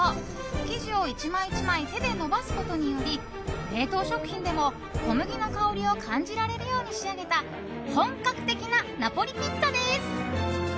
生地を１枚１枚手で延ばすことにより冷凍食品でも、小麦の香りを感じられるように仕上げた本格的なナポリピッツァです。